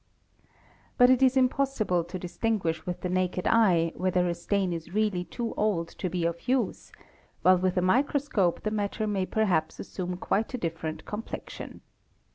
'' But it is impossible to distinguish with the naked eye whether a stain is really too old to be of use, while with a microscope the matter may perhaps assume quite a different complexion.